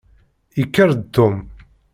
Yekker-d Tom.